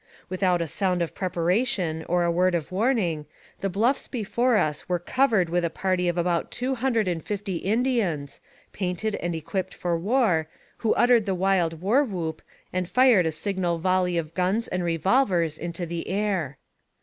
Without a sound of preparation or a word of warn AMONG THE SIOUX INDIANS. 21 ing, the bluffs before us were covered with a party of about two hundred and fifty Indians, painted and equipped for war, who uttered the wild war whoop and fired a signal volley of guns and revolvers into the air.